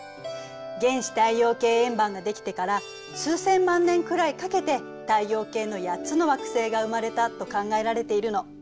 原始太陽系円盤ができてから数千万年くらいかけて太陽系の８つの惑星が生まれたと考えられているの。